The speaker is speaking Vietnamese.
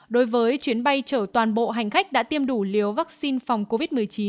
đối với chuyến bay chở toàn bộ hành khách đã tiêm đủ liều vaccine phòng covid một mươi chín